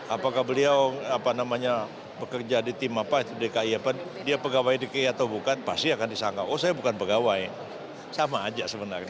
apakah beliau apa namanya bekerja di tim apa dki apa dia pegawai dki atau bukan pasti akan disangka oh saya bukan pegawai sama aja sebenarnya